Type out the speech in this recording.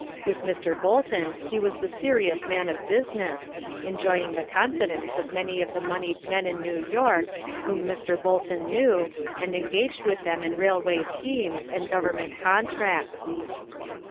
With Mr. Bolton he was the serious man of business, enjoying the confidence of many of the monied men in New York, whom Mr. Bolton knew, and engaged with them in railway schemes and government contracts.